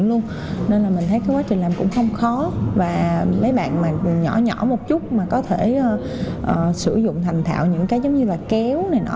quá trình làm cũng không khó và mấy bạn mà nhỏ nhỏ một chút mà có thể sử dụng thành thạo những cái giống như là kéo này nọ